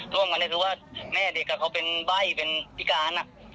ร่วมกันเนี่ยคือว่าแม่เด็กก็เป็นใบ้เป็นพิการอ่ะ